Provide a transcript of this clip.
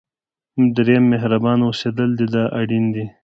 دریم مهربانه اوسېدل دی دا اړین دي.